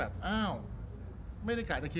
รูปนั้นผมก็เป็นคนถ่ายเองเคลียร์กับเรา